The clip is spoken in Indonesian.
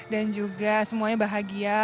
dan juga semuanya bahagia